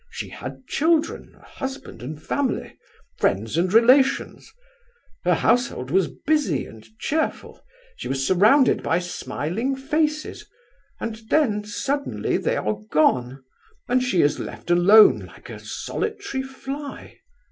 She had children, a husband and family, friends and relations; her household was busy and cheerful; she was surrounded by smiling faces; and then suddenly they are gone, and she is left alone like a solitary fly...